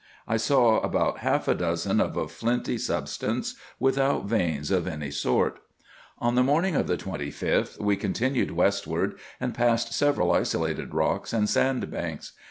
I saw about half a dozen of a flinty substance, without veins of any sort. On the morning of the 25th, we continued westward, and passed several isolated rocks and sand banks.